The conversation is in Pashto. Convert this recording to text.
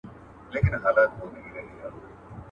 • چي په خره دي کار نه وي، اشه مه ورته وايه.